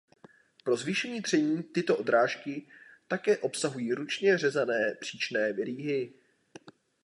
Pro zvýšení tření tyto drážky také obsahují ručně řezané příčné rýhy.